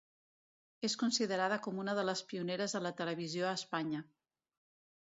És considerada com una de les pioneres de la televisió a Espanya.